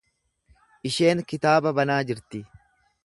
Isheen kitaaba banaa jirti.